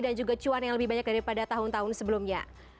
dan juga cuan yang lebih banyak daripada tahun tahun sebelumnya